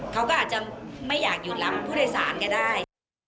เขาก็อาจจะไม่อยากหยุดรับผู้โดยสารก็ได้